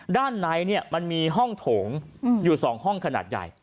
ด้านในมันมีห้องโถงอยู่๒ห้องขนาดใหญ่